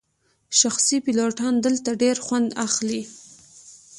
شخصي پیلوټان دلته ډیر خوند اخلي